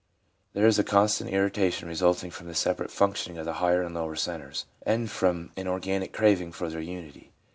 There is a constant irritation resulting from the separate functioning of the higher and lower centres, and from an organic craving for their unity.